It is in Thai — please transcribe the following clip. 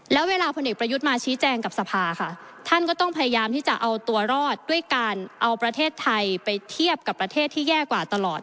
แล้วเวลาพลเอกประยุทธ์มาชี้แจงกับสภาค่ะท่านก็ต้องพยายามที่จะเอาตัวรอดด้วยการเอาประเทศไทยไปเทียบกับประเทศที่แย่กว่าตลอด